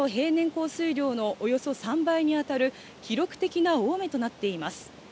降水量のおよそ３倍にあたる、記録的な大雨となっています。